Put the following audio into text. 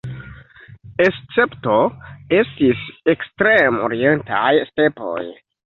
Escepto estis ekstrem-orientaj stepoj.